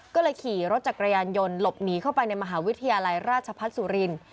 ก็เลยขี่รถจักรยานยนต์หลบหนีเข้าไปในมหาวิทยาลัยราชพัฒน์สุรินทร์